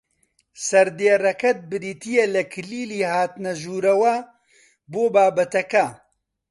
سەردێڕەکەت بریتییە لە کلیلی هاتنە ژوورەوە بۆ بابەتەکە